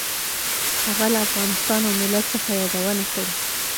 هغه له افغانستان او ملت څخه یادونه کړې.